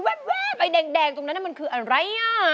แวบไอ้แดงตรงนั้นมันคืออะไร